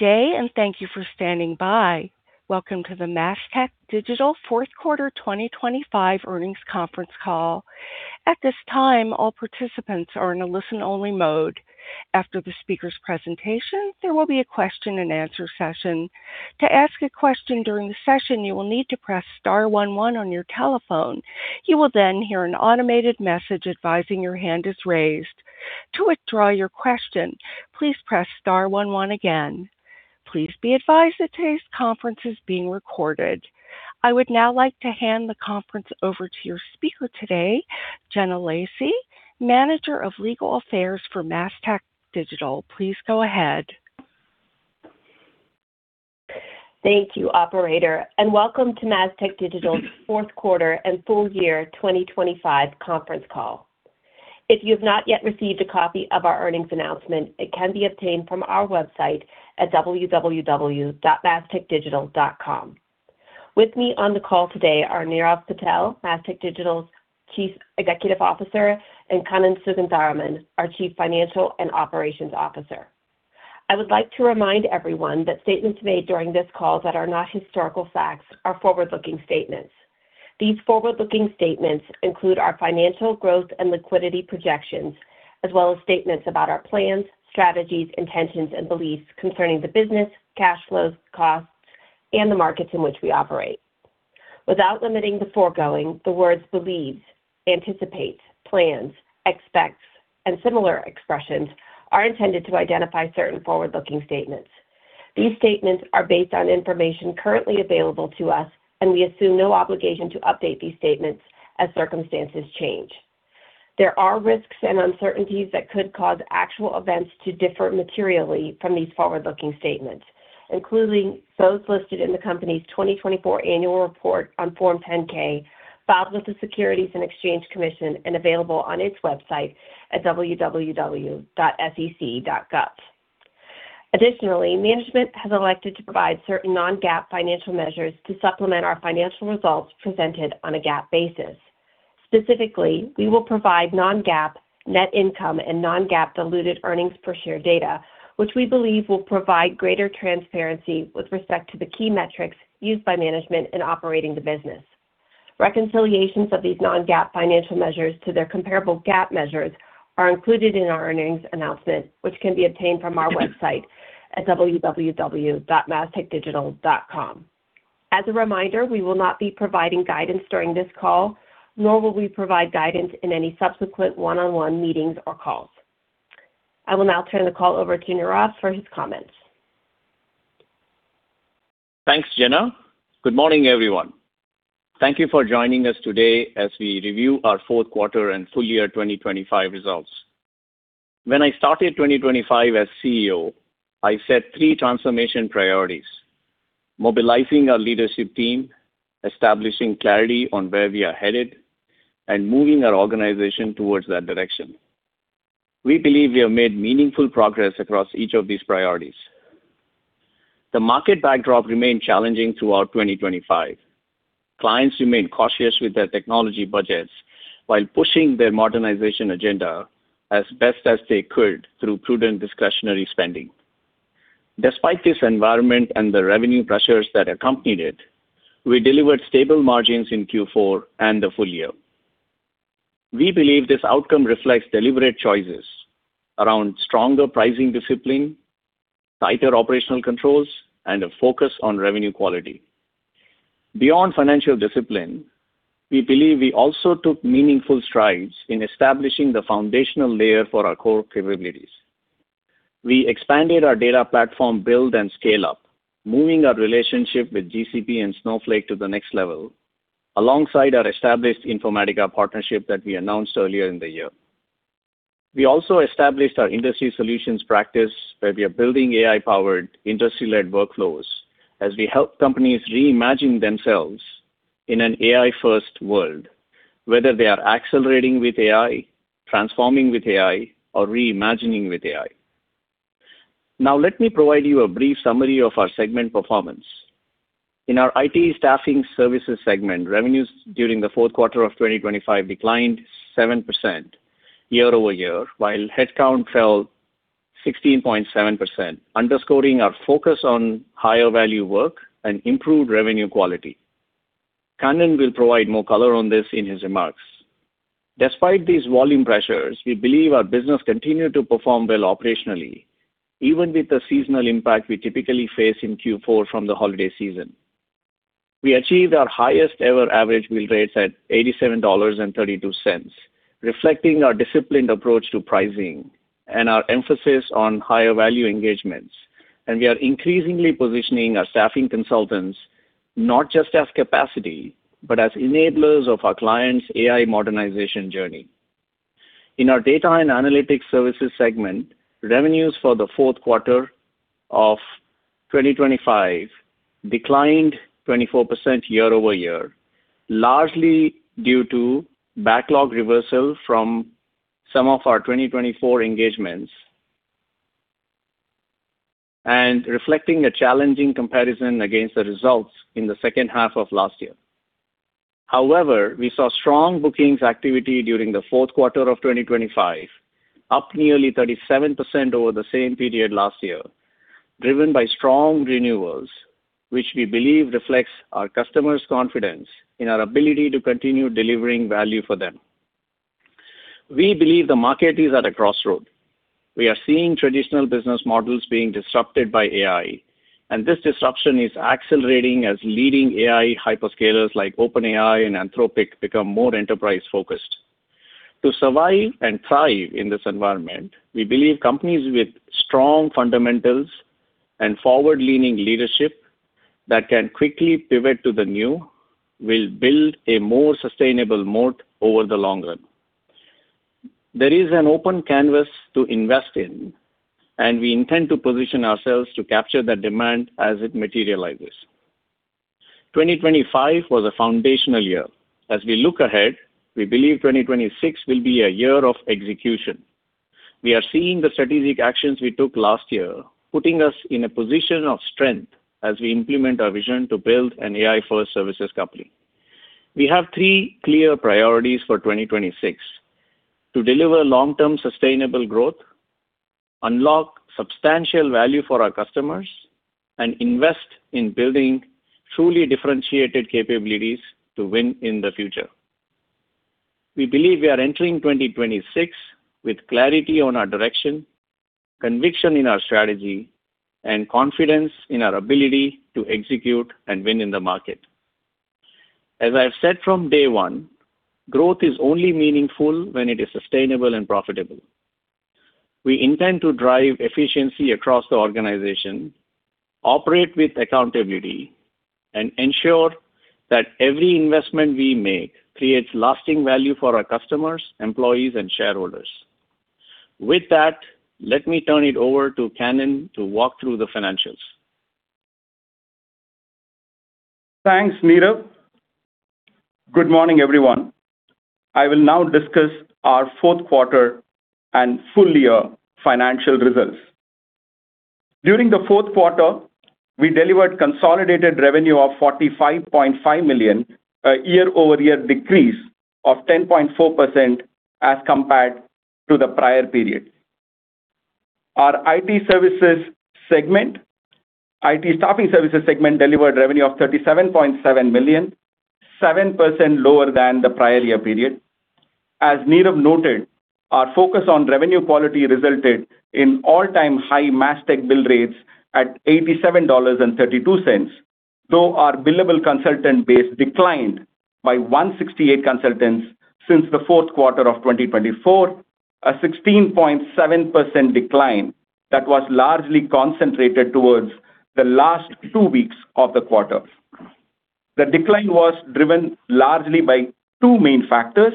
Day, and thank you for standing by. Welcome to the Mastech Digital Fourth Quarter 2025 Earnings Conference Call. At this time, all participants are in a listen-only mode. After the speaker's presentation, there will be a question-and-answer session. To ask a question during the session, you will need to press star one one on your telephone. You will then hear an automated message advising your hand is raised. To withdraw your question, please press star one one again. Please be advised that today's conference is being recorded. I would now like to hand the conference over to your speaker today, Jenna Lacy, Manager of Legal Affairs for Mastech Digital. Please go ahead. Thank you, operator, and welcome to Mastech Digital's fourth quarter and full year 2025 conference call. If you've not yet received a copy of our earnings announcement, it can be obtained from our website at www.mastechdigital.com. With me on the call today are Nirav Patel, Mastech Digital's Chief Executive Officer, and Kannan Sugantharaman, our Chief Financial and Operations Officer. I would like to remind everyone that statements made during this call that are not historical facts are forward-looking statements. These forward-looking statements include our financial growth and liquidity projections, as well as statements about our plans, strategies, intentions, and beliefs concerning the business, cash flows, costs, and the markets in which we operate. Without limiting the foregoing, the words believes, anticipate, plans, expects, and similar expressions are intended to identify certain forward-looking statements. These statements are based on information currently available to us, and we assume no obligation to update these statements as circumstances change. There are risks and uncertainties that could cause actual events to differ materially from these forward-looking statements, including those listed in the company's 2024 annual report on Form 10-K, filed with the Securities and Exchange Commission and available on its website at www.sec.gov. Additionally, management has elected to provide certain non-GAAP financial measures to supplement our financial results presented on a GAAP basis. Specifically, we will provide non-GAAP net income and non-GAAP diluted earnings per share data, which we believe will provide greater transparency with respect to the key metrics used by management in operating the business. Reconciliations of these non-GAAP financial measures to their comparable GAAP measures are included in our earnings announcement, which can be obtained from our website at www.mastechdigital.com. As a reminder, we will not be providing guidance during this call, nor will we provide guidance in any subsequent one-on-one meetings or calls. I will now turn the call over to Nirav for his comments. Thanks, Jenna. Good morning, everyone. Thank you for joining us today as we review our fourth quarter and full year 2025 results. When I started 2025 as CEO, I set three transformation priorities: mobilizing our leadership team, establishing clarity on where we are headed, and moving our organization towards that direction. We believe we have made meaningful progress across each of these priorities. The market backdrop remained challenging throughout 2025. Clients remained cautious with their technology budgets while pushing their modernization agenda as best as they could through prudent discretionary spending. Despite this environment and the revenue pressures that accompanied it, we delivered stable margins in Q4 and the full year. We believe this outcome reflects deliberate choices around stronger pricing discipline, tighter operational controls, and a focus on revenue quality. Beyond financial discipline, we believe we also took meaningful strides in establishing the foundational layer for our core capabilities. We expanded our data platform build and scale-up, moving our relationship with GCP and Snowflake to the next level, alongside our established Informatica partnership that we announced earlier in the year. We also established our industry solutions practice, where we are building AI-powered, industry-led workflows as we help companies reimagine themselves in an AI-first world, whether they are accelerating with AI, transforming with AI, or reimagining with AI. Now, let me provide you a brief summary of our segment performance. In our IT Staffing Services segment, revenues during the fourth quarter of 2025 declined 7% year-over-year, while headcount fell 16.7%, underscoring our focus on higher value work and improved revenue quality. Kannan will provide more color on this in his remarks. Despite these volume pressures, we believe our business continued to perform well operationally, even with the seasonal impact we typically face in Q4 from the holiday season. We achieved our highest-ever average bill rates at $87.32, reflecting our disciplined approach to pricing and our emphasis on higher value engagements, and we are increasingly positioning our staffing consultants not just as capacity, but as enablers of our clients' AI modernization journey. In our Data and Analytics Services segment, revenues for the fourth quarter of 2025 declined 24% year-over-year, largely due to backlog reversal from some of our 2024 engagements and reflecting a challenging comparison against the results in the second half of last year.... However, we saw strong bookings activity during the fourth quarter of 2025, up nearly 37% over the same period last year, driven by strong renewals, which we believe reflects our customers' confidence in our ability to continue delivering value for them. We believe the market is at a crossroad. We are seeing traditional business models being disrupted by AI, and this disruption is accelerating as leading AI hyperscalers like OpenAI and Anthropic become more enterprise-focused. To survive and thrive in this environment, we believe companies with strong fundamentals and forward-leaning leadership that can quickly pivot to the new will build a more sustainable moat over the long run. There is an open canvas to invest in, and we intend to position ourselves to capture that demand as it materializes. 2025 was a foundational year. As we look ahead, we believe 2026 will be a year of execution. We are seeing the strategic actions we took last year, putting us in a position of strength as we implement our vision to build an AI-first services company. We have three clear priorities for 2026: to deliver long-term sustainable growth, unlock substantial value for our customers, and invest in building truly differentiated capabilities to win in the future. We believe we are entering 2026 with clarity on our direction, conviction in our strategy, and confidence in our ability to execute and win in the market. As I've said from day one, growth is only meaningful when it is sustainable and profitable. We intend to drive efficiency across the organization, operate with accountability, and ensure that every investment we make creates lasting value for our customers, employees, and shareholders. With that, let me turn it over to Kannan to walk through the financials. Thanks, Nirav. Good morning, everyone. I will now discuss our fourth quarter and full year financial results. During the fourth quarter, we delivered consolidated revenue of $45.5 million, a year-over-year decrease of 10.4% as compared to the prior period. Our IT services segment, IT staffing services segment, delivered revenue of $37.7 million, 7% lower than the prior year period. As Nirav noted, our focus on revenue quality resulted in all-time high Mastech bill rates at $87.32, though our billable consultant base declined by 168 consultants since the fourth quarter of 2024, a 16.7% decline that was largely concentrated towards the last two weeks of the quarter. The decline was driven largely by two main factors.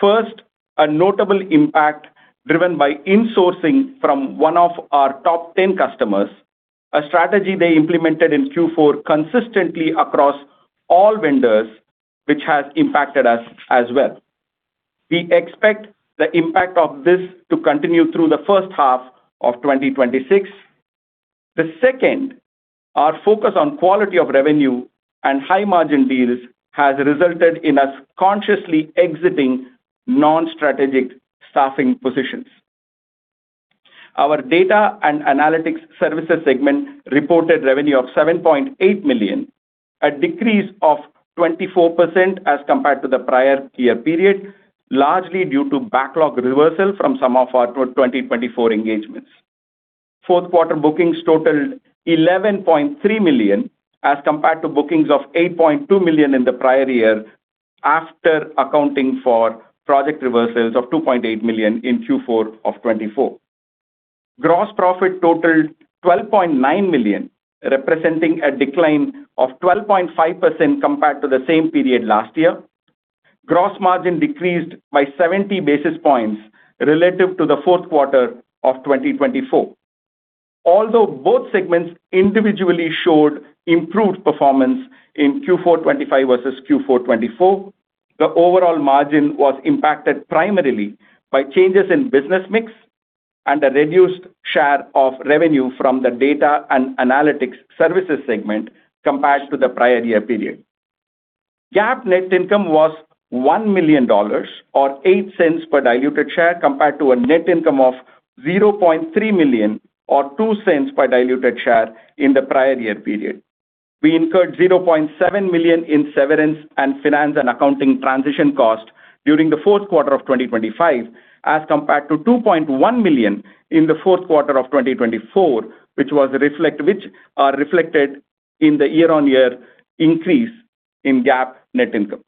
First, a notable impact driven by insourcing from one of our top ten customers, a strategy they implemented in Q4 consistently across all vendors, which has impacted us as well. We expect the impact of this to continue through the first half of 2026. The second, our focus on quality of revenue and high-margin deals has resulted in us consciously exiting non-strategic staffing positions. Our Data and Analytics Services segment reported revenue of $7.8 million, a decrease of 24% as compared to the prior year period, largely due to backlog reversal from some of our 2024 engagements. Fourth quarter bookings totaled $11.3 million, as compared to bookings of $8.2 million in the prior year, after accounting for project reversals of $2.8 million in Q4 of 2024. Gross profit totaled $12.9 million, representing a decline of 12.5% compared to the same period last year. Gross margin decreased by 70 basis points relative to the fourth quarter of 2024. Although both segments individually showed improved performance in Q4 2025 versus Q4 2024, the overall margin was impacted primarily by changes in business mix and a reduced share of revenue from the Data and Analytics Services segment compared to the prior year period. GAAP net income was $1 million or $0.08 per diluted share, compared to a net income of $0.3 million or $0.02 per diluted share in the prior year period. We incurred $0.7 million in severance and finance and accounting transition costs during the fourth quarter of 2025, as compared to $2.1 million in the fourth quarter of 2024, which are reflected in the year-on-year increase in GAAP net income.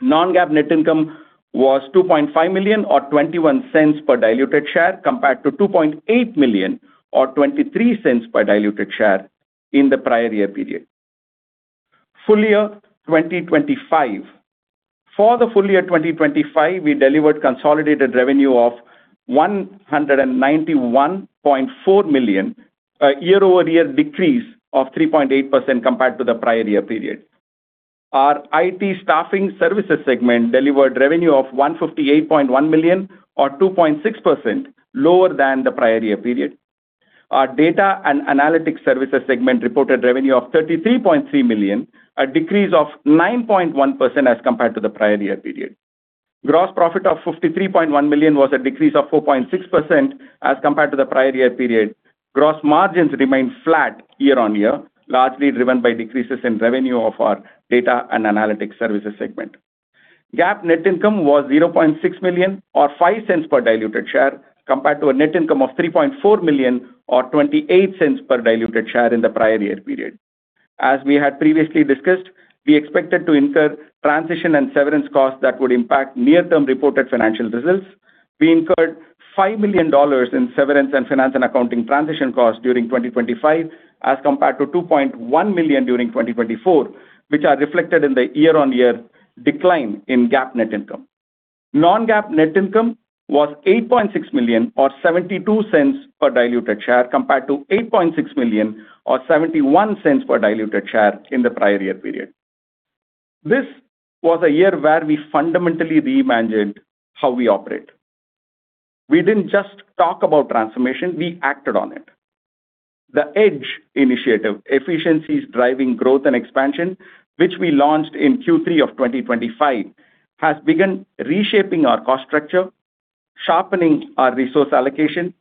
Non-GAAP net income was $2.5 million or $0.21 per diluted share, compared to $2.8 million or $0.23 per diluted share in the prior year period. Full year 2025. For the full year 2025, we delivered consolidated revenue of $191.4 million, a year-over-year decrease of 3.8% compared to the prior year period. Our IT Staffing Services segment delivered revenue of $158.1 million or 2.6% lower than the prior year period.... Our Data and Analytics Services segment reported revenue of $33.3 million, a decrease of 9.1% as compared to the prior year period. Gross profit of $53.1 million was a decrease of 4.6% as compared to the prior year period. Gross margins remained flat year-over-year, largely driven by decreases in revenue of our Data and Analytics Services segment. GAAP net income was $0.6 million or $0.05 per diluted share, compared to a net income of $3.4 million or $0.28 per diluted share in the prior year period. As we had previously discussed, we expected to incur transition and severance costs that would impact near-term reported financial results. We incurred $5 million in severance and finance and accounting transition costs during 2025, as compared to $2.1 million during 2024, which are reflected in the year-on-year decline in GAAP net income. Non-GAAP net income was $8.6 million or $0.72 per diluted share, compared to $8.6 million or $0.71 per diluted share in the prior year period. This was a year where we fundamentally reimagined how we operate. We didn't just talk about transformation, we acted on it. The EDGE initiative, Efficiencies Driving Growth and Expansion, which we launched in Q3 of 2025, has begun reshaping our cost structure, sharpening our resource allocation,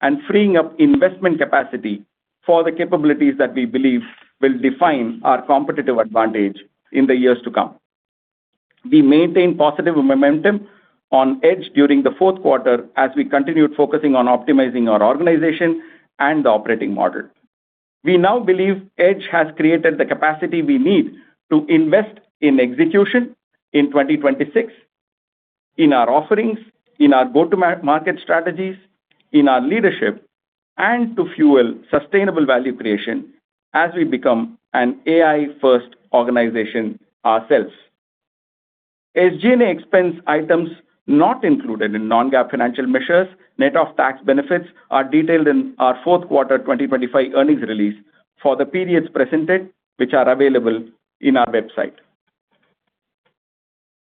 and freeing up investment capacity for the capabilities that we believe will define our competitive advantage in the years to come. We maintained positive momentum on EDGE during the fourth quarter as we continued focusing on optimizing our organization and the operating model. We now believe EDGE has created the capacity we need to invest in execution in 2026, in our offerings, in our go-to-market strategies, in our leadership, and to fuel sustainable value creation as we become an AI-first organization ourselves. SG&A expense items not included in non-GAAP financial measures, net of tax benefits, are detailed in our fourth quarter earnings release for the periods presented, which are available on our website.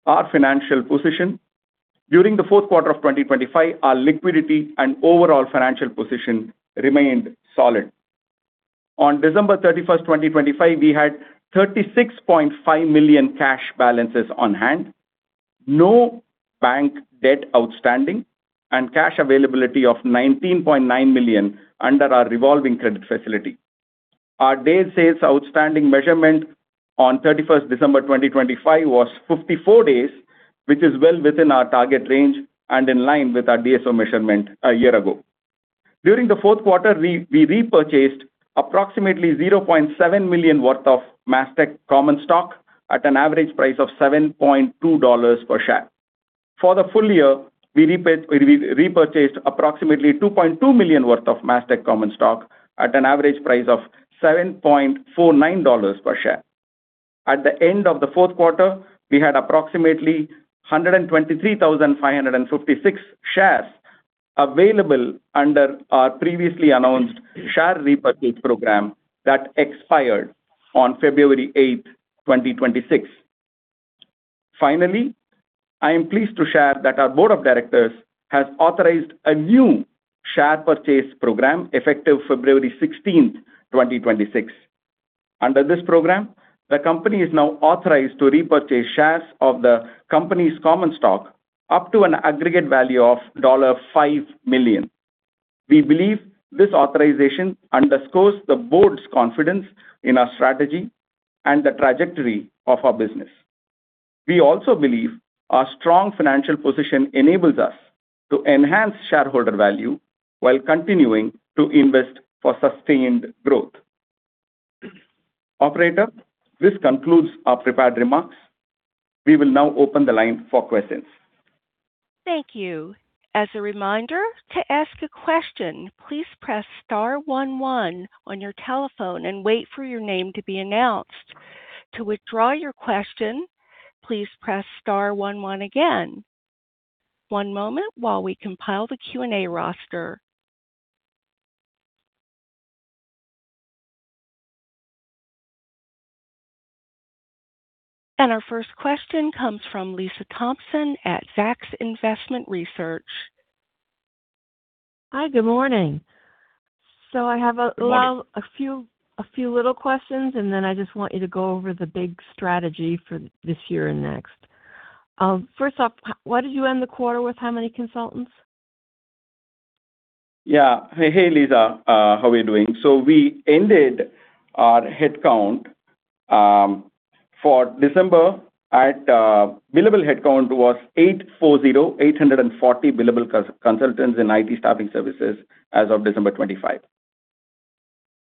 Our financial position. During the fourth quarter of 2025, our liquidity and overall financial position remained solid. On December 31, 2025, we had $36.5 million cash balances on hand, no bank debt outstanding, and cash availability of $19.9 million under our revolving credit facility. Our days sales outstanding measurement on 31st December 2025 was 54 days, which is well within our target range and in line with our DSO measurement a year ago. During the fourth quarter, we repurchased approximately $0.7 million worth of Mastech common stock at an average price of $7.2 per share. For the full year, we repurchased approximately $2.2 million worth of Mastech common stock at an average price of $7.49 per share. At the end of the fourth quarter, we had approximately 123,556 shares available under our previously announced share repurchase program that expired on February 8th, 2026. Finally, I am pleased to share that our board of directors has authorized a new share purchase program effective February 16th, 2026. Under this program, the company is now authorized to repurchase shares of the company's common stock up to an aggregate value of $5 million. We believe this authorization underscores the board's confidence in our strategy and the trajectory of our business. We also believe our strong financial position enables us to enhance shareholder value while continuing to invest for sustained growth. Operator, this concludes our prepared remarks. We will now open the line for questions. Thank you. As a reminder, to ask a question, please press star one one on your telephone and wait for your name to be announced. To withdraw your question, please press star one one again. One moment while we compile the Q&A roster. Our first question comes from Lisa Thompson at Zacks Investment Research. Hi, good morning. So I have a- Good morning. A few little questions, and then I just want you to go over the big strategy for this year and next. First off, what did you end the quarter with? How many consultants? Yeah. Hey, Lisa, how are you doing? So we ended our headcount for December at billable headcount was 840, 840 billable consultants in IT Staffing Services as of December 25.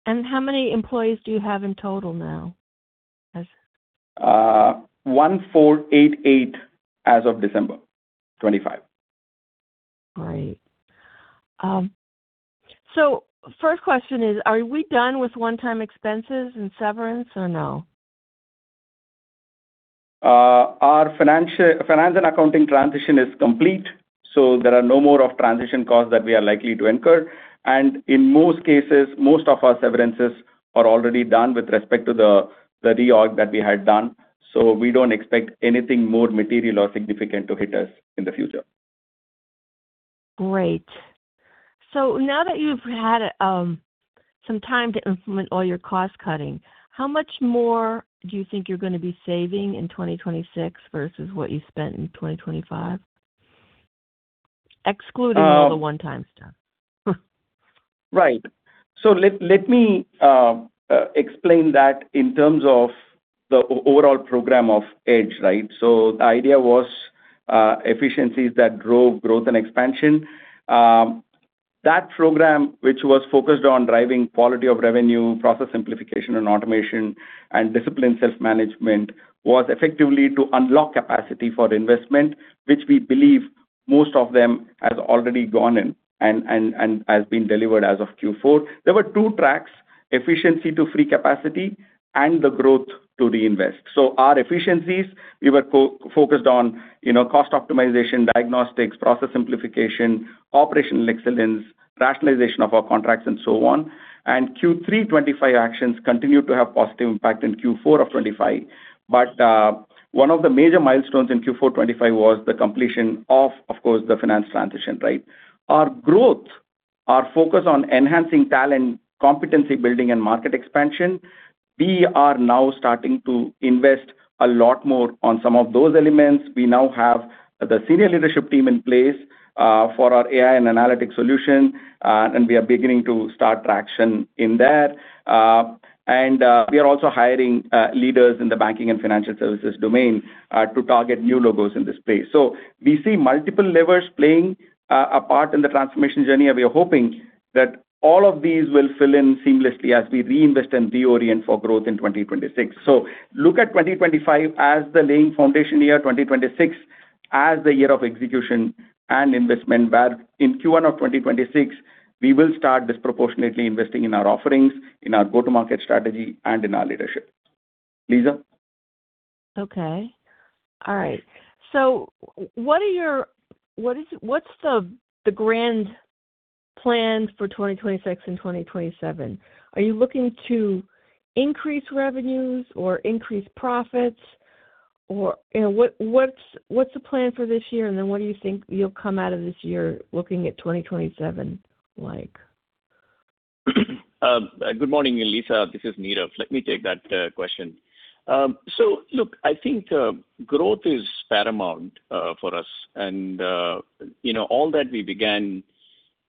How many employees do you have in total now? 1488 as of December 25. Right. So first question is, are we done with one-time expenses and severance or no? Our financial, finance and accounting transition is complete, so there are no more of transition costs that we are likely to incur. In most cases, most of our severances are already done with respect to the reorg that we had done... so we don't expect anything more material or significant to hit us in the future. Great. So now that you've had some time to implement all your cost cutting, how much more do you think you're gonna be saving in 2026 versus what you spent in 2025? Excluding all the one-time stuff. Right. So let me explain that in terms of the overall program of EDGE, right? So the idea was efficiencies that drove growth and expansion. That program, which was focused on driving quality of revenue, process simplification and automation, and disciplined self-management, was effectively to unlock capacity for investment, which we believe most of them has already gone in and has been delivered as of Q4 2025. There were two tracks: efficiency to free capacity and the growth to reinvest. So our efficiencies, we were focused on, you know, cost optimization, diagnostics, process simplification, operational excellence, rationalization of our contracts, and so on. And Q3 2025 actions continued to have positive impact in Q4 of 2025. But one of the major milestones in Q4 2025 was the completion of course, the finance transition, right? Our growth, our focus on enhancing talent, competency building, and market expansion, we are now starting to invest a lot more on some of those elements. We now have the senior leadership team in place for our AI and analytics solution, and we are beginning to start traction in that. And we are also hiring leaders in the banking and financial services domain to target new logos in this space. So we see multiple levers playing a part in the transformation journey, and we are hoping that all of these will fill in seamlessly as we reinvest and reorient for growth in 2026. Look at 2025 as the laying foundation year, 2026 as the year of execution and investment, where in Q1 of 2026, we will start disproportionately investing in our offerings, in our go-to-market strategy, and in our leadership. Lisa? Okay. All right. So what are your—what is, what's the grand plan for 2026 and 2027? Are you looking to increase revenues or increase profits? Or, you know, what's the plan for this year, and then what do you think you'll come out of this year looking at 2027 like? Good morning, Lisa. This is Nirav. Let me take that question. So look, I think, growth is paramount for us. And, you know, all that we began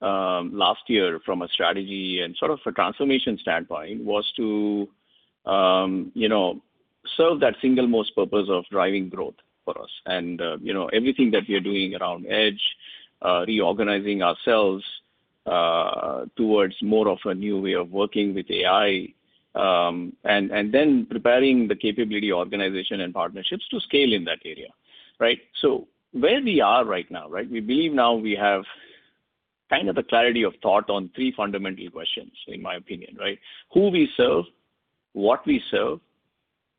last year from a strategy and sort of a transformation standpoint was to, you know, serve that single most purpose of driving growth for us. And, you know, everything that we are doing around EDGE, reorganizing ourselves, towards more of a new way of working with AI, and, and then preparing the capability, organization, and partnerships to scale in that area, right? So where we are right now, right? We believe now we have kind of the clarity of thought on three fundamental questions, in my opinion, right? Who we serve, what we serve,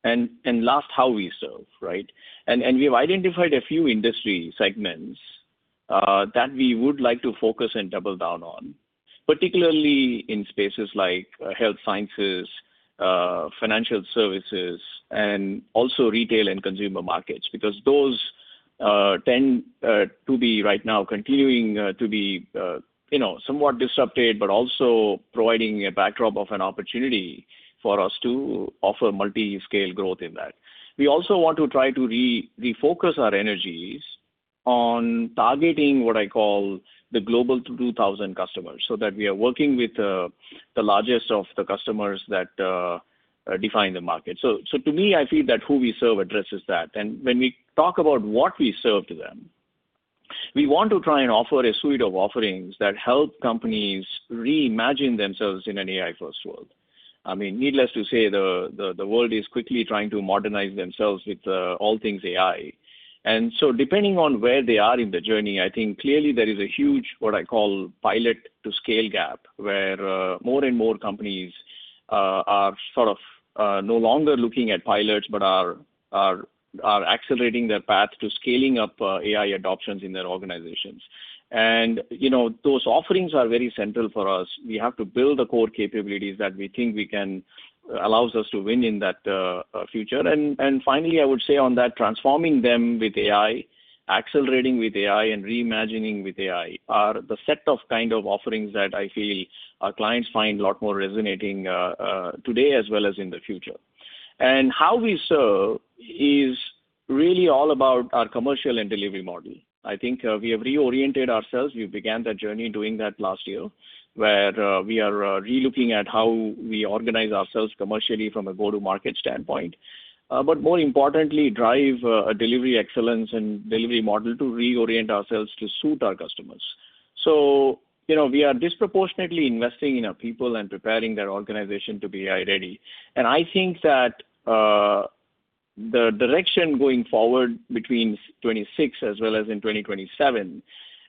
and, and last, how we serve, right? We have identified a few industry segments that we would like to focus and double down on, particularly in spaces like health sciences, financial services, and also retail and consumer markets. Because those tend to be right now continuing to be, you know, somewhat disrupted, but also providing a backdrop of an opportunity for us to offer multi-scale growth in that. We also want to try to re-refocus our energies on targeting what I call the Global 2000 customers, so that we are working with the largest of the customers that define the market. So to me, I feel that who we serve addresses that. And when we talk about what we serve to them, we want to try and offer a suite of offerings that help companies reimagine themselves in an AI-first world. I mean, needless to say, the world is quickly trying to modernize themselves with all things AI. And so depending on where they are in the journey, I think clearly there is a huge, what I call pilot-to-scale gap, where more and more companies are sort of no longer looking at pilots but are accelerating their path to scaling up AI adoptions in their organizations. And, you know, those offerings are very central for us. We have to build the core capabilities that we think we can... allows us to win in that future. And finally, I would say on that, transforming them with AI, accelerating with AI, and reimagining with AI are the set of kind of offerings that I feel our clients find a lot more resonating today as well as in the future. How we serve is really all about our commercial and delivery model. I think, we have reoriented ourselves. We began that journey doing that last year, where, we are, relooking at how we organize ourselves commercially from a go-to-market standpoint. But more importantly, drive, a delivery excellence and delivery model to reorient ourselves to suit our customers. So you know, we are disproportionately investing in our people and preparing their organization to be AI ready. And I think that, the direction going forward between '26 as well as in 2027,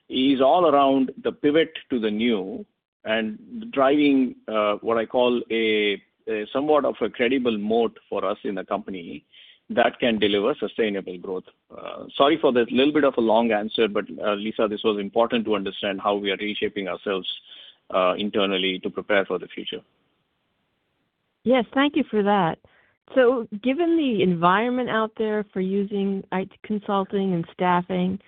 is all around the pivot to the new and driving, what I call a, a somewhat of a credible mode for us in the company that can deliver sustainable growth. Sorry for the little bit of a long answer, but, Lisa, this was important to understand how we are reshaping ourselves internally to prepare for the future. Yes, thank you for that. So given the environment out there for using IT consulting and staffing,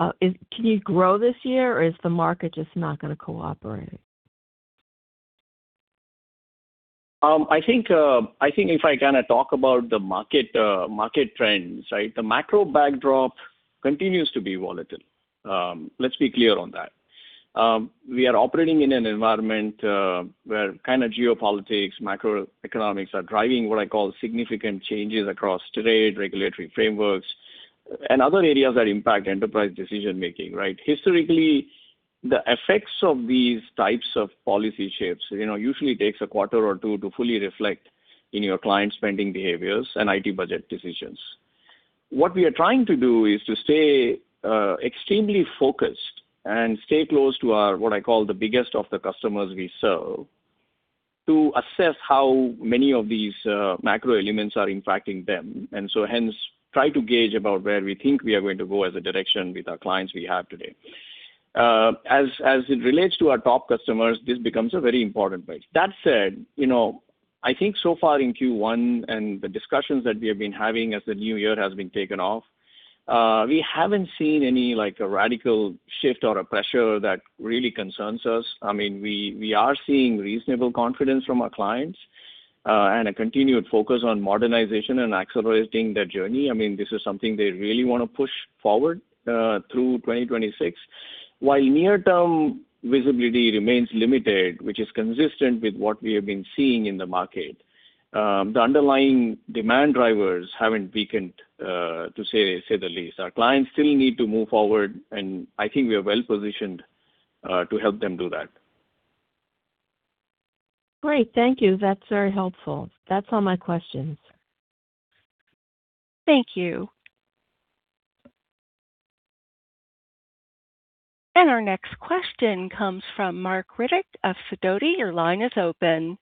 can you grow this year, or is the market just not going to cooperate? I think, I think if I kind of talk about the market, market trends, right? The macro backdrop continues to be volatile. Let's be clear on that. We are operating in an environment, where kind of geopolitics, macroeconomics are driving what I call significant changes across trade, regulatory frameworks and other areas that impact enterprise decision making, right? Historically, the effects of these types of policy shifts, you know, usually takes a quarter or two to fully reflect in your client's spending behaviors and IT budget decisions. What we are trying to do is to stay extremely focused and stay close to our, what I call, the biggest of the customers we serve, to assess how many of these, macro elements are impacting them. And so hence, try to gauge about where we think we are going to go as a direction with our clients we have today. As it relates to our top customers, this becomes a very important place. That said, you know, I think so far in Q1 and the discussions that we have been having as the new year has taken off, we haven't seen any, like, a radical shift or a pressure that really concerns us. I mean, we are seeing reasonable confidence from our clients and a continued focus on modernization and accelerating their journey. I mean, this is something they really want to push forward through 2026. While near-term visibility remains limited, which is consistent with what we have been seeing in the market, the underlying demand drivers haven't weakened, to say the least. Our clients still need to move forward, and I think we are well positioned to help them do that. Great. Thank you. That's very helpful. That's all my questions. Thank you. Our next question comes from Marc Riddick of Sidoti. Your line is open.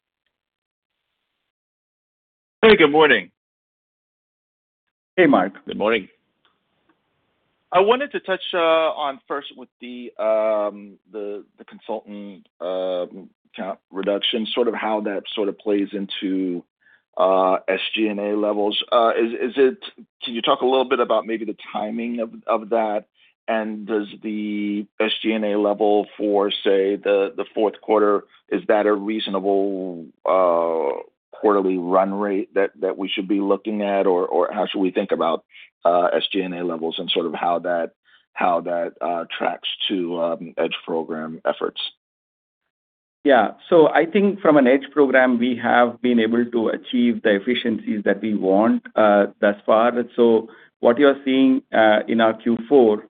Hey, good morning. Hey, Marc. Good morning. I wanted to touch on first with the consultant count reduction, sort of how that sort of plays into SG&A levels. Can you talk a little bit about maybe the timing of that? And does the SG&A level for, say, the fourth quarter, is that a reasonable quarterly run rate that we should be looking at? Or how should we think about SG&A levels and sort of how that tracks to EDGE program efforts? Yeah. So I think from an EDGE program, we have been able to achieve the efficiencies that we want, thus far. So what you're seeing in our Q4,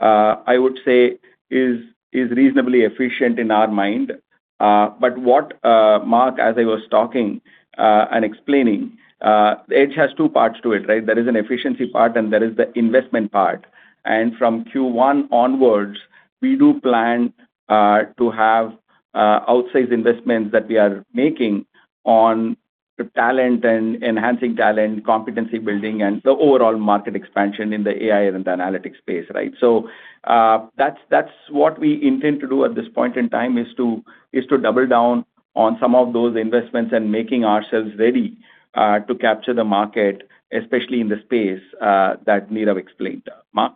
I would say is, is reasonably efficient in our mind. But what, Marc, as I was talking and explaining, EDGE has two parts to it, right? There is an efficiency part, and there is the investment part. And from Q1 onwards, we do plan to have outsized investments that we are making on the talent and enhancing talent, competency building, and the overall market expansion in the AI and analytics space, right? So, that's what we intend to do at this point in time, is to double down on some of those investments and making ourselves ready to capture the market, especially in the space that Nirav explained. Marc?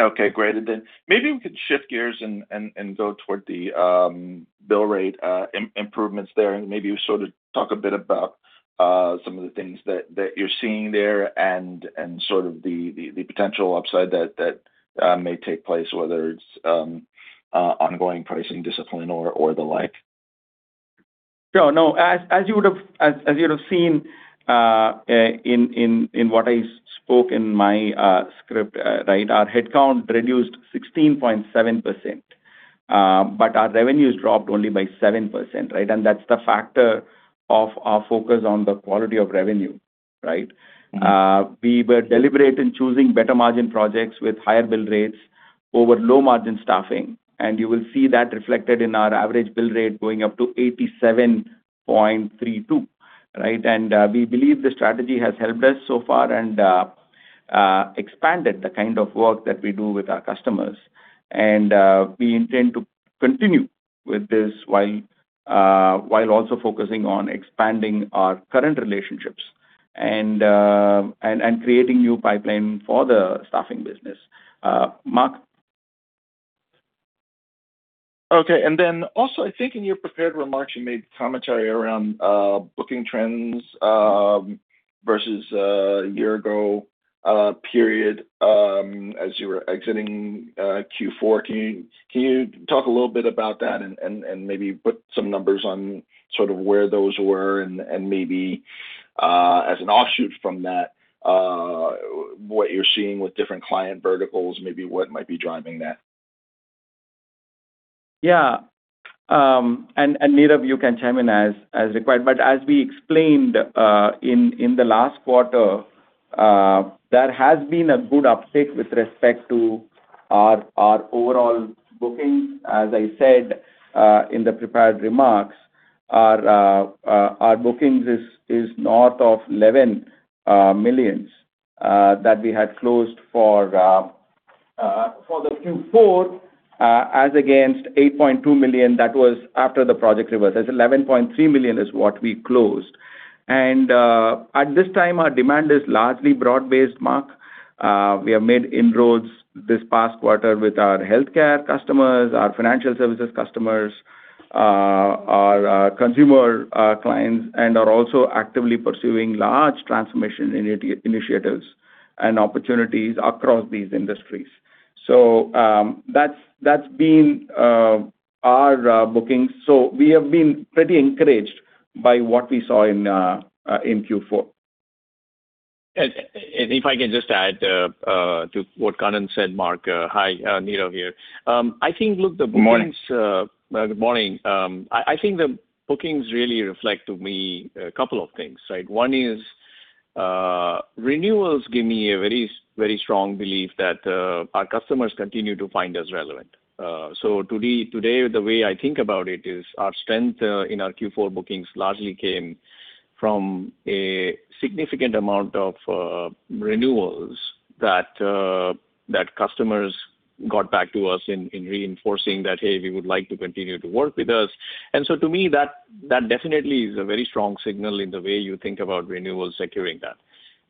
Okay, great. And then maybe we could shift gears and go toward the bill rate improvements there, and maybe you sort of talk a bit about some of the things that you're seeing there and sort of the potential upside that may take place, whether it's ongoing pricing discipline or the like. No, no. As you would have seen in what I spoke in my script, right? Our headcount reduced 16.7%, but our revenues dropped only by 7%, right? And that's the factor of our focus on the quality of revenue, right? Mm-hmm. We were deliberate in choosing better margin projects with higher bill rates over low margin staffing, and you will see that reflected in our average bill rate going up to $87.32, right? We believe the strategy has helped us so far and expanded the kind of work that we do with our customers. We intend to continue with this while also focusing on expanding our current relationships and creating new pipeline for the staffing business. Marc? Okay. And then also, I think in your prepared remarks, you made commentary around booking trends versus a year ago period as you were exiting Q4. Can you talk a little bit about that and maybe put some numbers on sort of where those were and maybe, as an offshoot from that, what you're seeing with different client verticals, maybe what might be driving that? Yeah. Nirav, you can chime in as required. As we explained in the last quarter, there has been a good uptake with respect to our overall bookings. As I said in the prepared remarks, our bookings is north of $11 million that we had closed for Q4, as against $8.2 million that was after the project reversal. $11.3 million is what we closed. At this time, our demand is largely broad-based, Marc. We have made inroads this past quarter with our healthcare customers, our financial services customers, our consumer clients, and are also actively pursuing large transformation initiatives and opportunities across these industries. That's been our bookings. We have been pretty encouraged by what we saw in Q4. And, if I can just add to what Kannan said, Marc. Hi, Nirav here. I think, look, the bookings- Good morning. Good morning. I think the bookings really reflect to me a couple of things, right? One is, renewals give me a very, very strong belief that, our customers continue to find us relevant. So today, the way I think about it is our strength, in our Q4 bookings largely came from a significant amount of, renewals that, customers got back to us in, reinforcing that, "Hey, we would like to continue to work with us." So to me, that definitely is a very strong signal in the way you think about renewals securing that.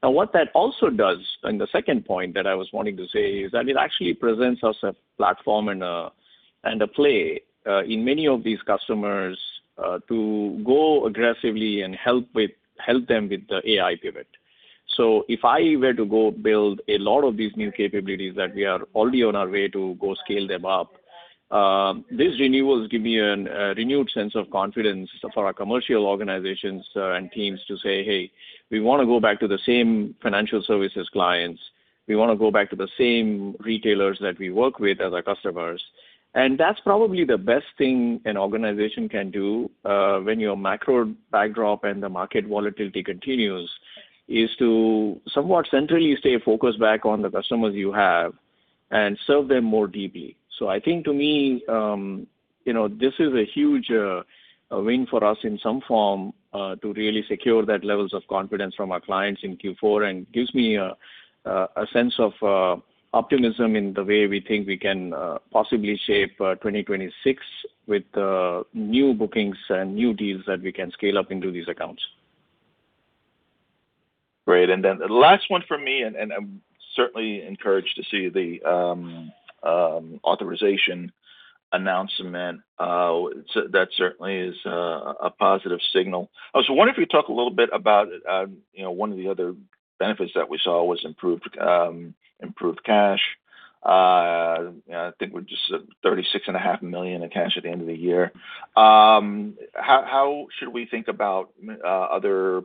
Now, what that also does, and the second point that I was wanting to say, is that it actually presents us a platform and a play, in many of these customers, to go aggressively and help with... Help them with the AI pivot. So if I were to go build a lot of these new capabilities that we are already on our way to go scale them up, these renewals give me an renewed sense of confidence for our commercial organizations and teams to say, "Hey, we wanna go back to the same financial services clients. We wanna go back to the same retailers that we work with as our customers." And that's probably the best thing an organization can do, when your macro backdrop and the market volatility continues, is to somewhat centrally stay focused back on the customers you have and serve them more deeply. So I think to me, you know, this is a huge win for us in some form to really secure that levels of confidence from our clients in Q4, and gives me a sense of optimism in the way we think we can possibly shape 2026 with new bookings and new deals that we can scale up into these accounts. Great. And then the last one from me, and I'm certainly encouraged to see the authorization announcement. So that certainly is a positive signal. I was wondering if you could talk a little bit about, you know, one of the other benefits that we saw was improved cash. I think we're just $36.5 million in cash at the end of the year. How should we think about other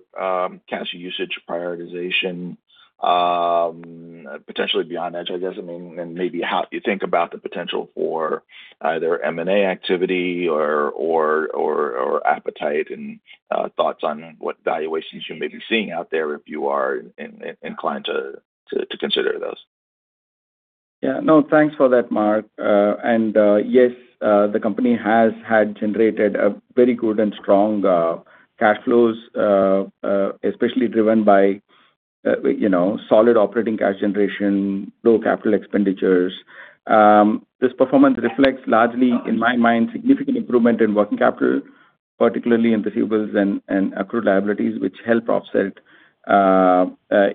cash usage prioritization, potentially beyond EDGE, I guess? I mean, and maybe how you think about the potential for either M&A activity or appetite and thoughts on what valuations you may be seeing out there, if you are inclined to consider those. Yeah. No, thanks for that, Marc. And yes, the company has had generated a very good and strong cash flows, especially driven by, you know, solid operating cash generation, low capital expenditures. This performance reflects largely, in my mind, significant improvement in working capital, particularly in the receivables and accrued liabilities, which help offset,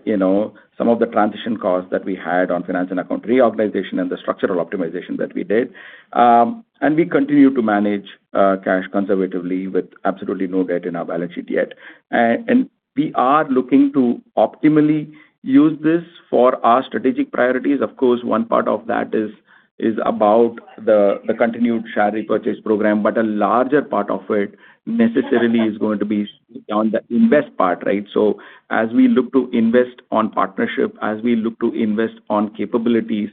you know, some of the transition costs that we had on finance and account reorganization and the structural optimization that we did. And we continue to manage cash conservatively with absolutely no debt in our balance sheet yet. And we are looking to optimally use this for our strategic priorities. Of course, one part of that is about the continued share repurchase program, but a larger part of it necessarily is going to be on the invest part, right? So as we look to invest on partnership, as we look to invest on capabilities,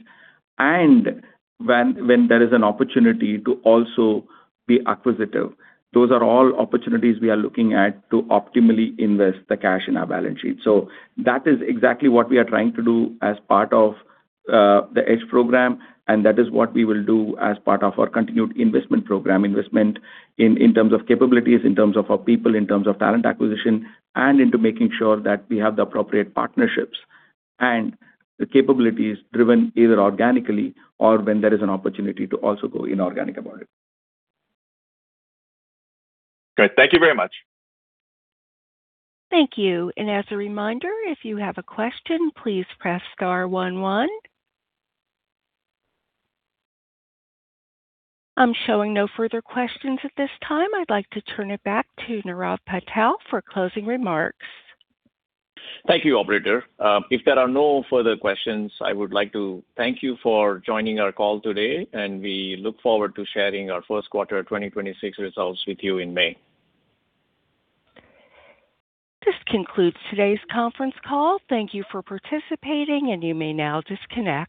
and when, when there is an opportunity to also be acquisitive, those are all opportunities we are looking at to optimally invest the cash in our balance sheet. So that is exactly what we are trying to do as part of the EDGE program, and that is what we will do as part of our continued investment program. Investment in terms of capabilities, in terms of our people, in terms of talent acquisition, and into making sure that we have the appropriate partnerships and the capabilities driven either organically or when there is an opportunity to also go inorganic about it. Great. Thank you very much. Thank you. As a reminder, if you have a question, please press star one, one. I'm showing no further questions at this time. I'd like to turn it back to Nirav Patel for closing remarks. Thank you, operator. If there are no further questions, I would like to thank you for joining our call today, and we look forward to sharing our first quarter 2026 results with you in May. This concludes today's conference call. Thank you for participating, and you may now disconnect.